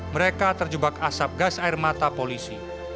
mereka terjebak asap gas air mata polisi